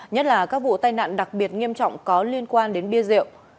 nhất là các vụ tai nạn đặc biệt nghiêm trọng có liên quan đến bia rượu